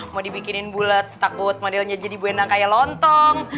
mau dibikinin bulet takut modelnya jadi buenang kayak lontong